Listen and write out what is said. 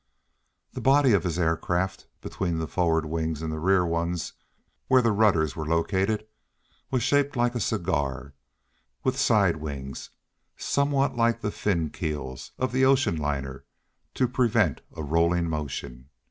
The body of his craft, between the forward wings and the rear ones, where the rudders were located, was shaped like a cigar, with side wings somewhat like the fin keels of the ocean liner to prevent a rolling motion.